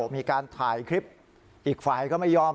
มีการถ่ายคลิปอีกฝ่ายก็ไม่ยอม